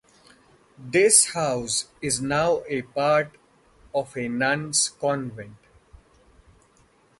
This house is now a part of a nuns' convent.